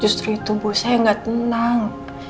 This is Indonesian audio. justru itu bu saya gak tenang